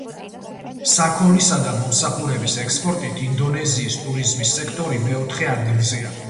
საქონლისა და მომსახურების ექსპორტით ინდონეზიის ტურიზმის სექტორი მეოთხე ადგილზეა.